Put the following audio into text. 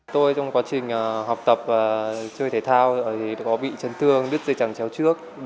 tôi trong quá trình học tập và chơi thể thao thì có bị chấn thương đứt dây chẳng chéo trước